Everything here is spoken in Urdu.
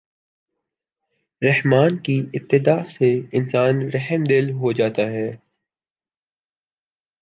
رحمٰن کی اتباع سے انسان رحمدل ہو جاتا ہے۔